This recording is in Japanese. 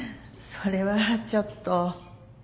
それはちょっと。